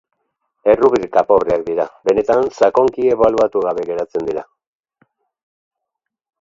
Errubrika pobreak dira, benetan sakonki ebaluatu gabe geratzen dira.